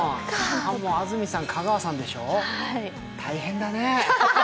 安住さん、香川さんでしょう大変だね。